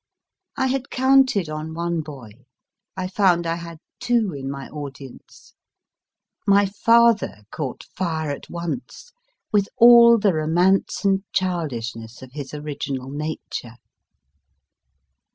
1 had counted on one boy, I found I had two in my audience. My father caught fire at once with all the romance and childishness of his original nature.